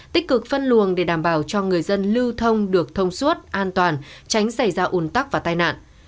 tích cực phân luồng để đảm bảo cho người dân lưu thông được thông suốt an toàn tránh xảy ra ủn tắc và tai nạn